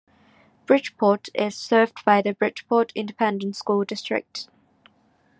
Bridgeport is served by the Bridgeport Independent School District.